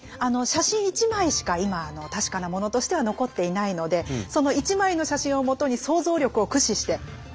写真１枚しか今確かなものとしては残っていないのでその１枚の写真をもとに想像力を駆使して。